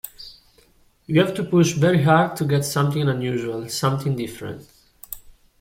You have to push very hard to get something unusual, something different.